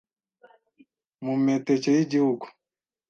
mu meteke y’Igihugu.